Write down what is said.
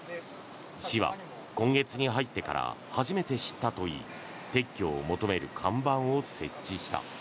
市は今月に入ってから初めて知ったといい撤去を求める看板を設置した。